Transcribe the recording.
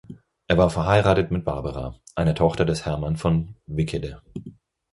Er war verheiratet mit Barbara, einer Tochter des Hermann von Wickede.